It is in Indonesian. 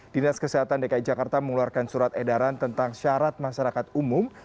dinas kesehatan dki jakarta mengeluarkan surat edaran tentang syarat masyarakat umum